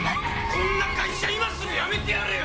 こんな会社今すぐ辞めてやるよ！